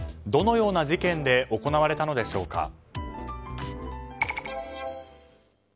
どのような事件で行われたのでしょうか。